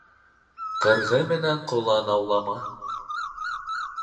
Ҡырғыменән ҡолан аулама.